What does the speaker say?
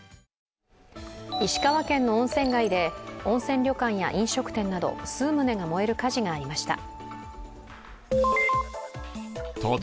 石川県の温泉街で温泉旅館や飲食店など数棟が燃える火事がありました。